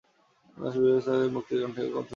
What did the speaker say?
বাংলাদেশের বিভিন্ন শিল্পী মুক্তির গানে কণ্ঠ দিয়েছেন।